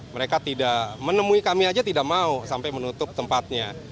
mereka tidak menemui kami saja tidak mau sampai menutup tempatnya